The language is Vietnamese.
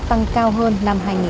tăng cao hơn năm hai nghìn một mươi bốn